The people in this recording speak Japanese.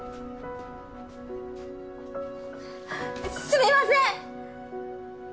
すみません！